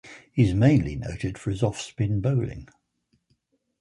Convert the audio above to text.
He is mainly noted for his off spin bowling.